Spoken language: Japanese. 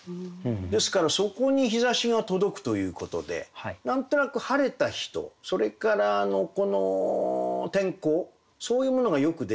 ですからそこに陽射しが届くということで何となく晴れた日とそれからこの天候そういうものがよく出てて。